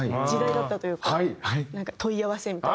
なんか「問い合わせ」みたいな。